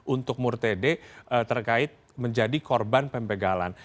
untuk murtede terkait menjadi korban pembegalan